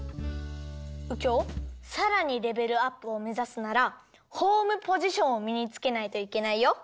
うきょうさらにレベルアップをめざすならホームポジションをみにつけないといけないよ。